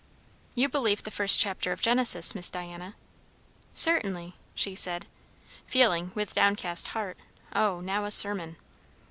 "You believe the first chapter of Genesis, Miss Diana?" "Certainly," she said, feeling with downcast heart, "O, now a sermon!"